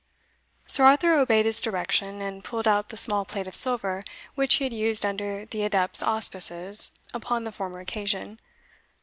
Sir Arthur obeyed his direction, and pulled out the small plate of silver which he had used under the adept's auspices upon the former occasion.